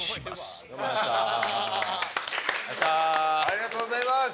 ありがとうございます。